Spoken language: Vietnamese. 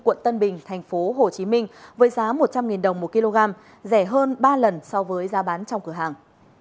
quận tân bình tp hcm với giá một trăm linh đồng một kg rẻ hơn ba lần so với giá bán trong cửa hàng